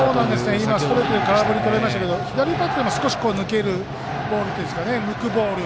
今、ストレートで空振りとれましたけど左バッター、少し抜けるボールというんですかね抜くボール。